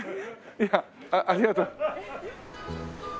いやありがとう。